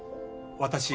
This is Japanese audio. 私